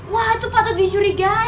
wah itu patut disurigain